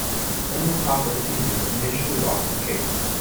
Daniel Hofer Senior initially lost the case.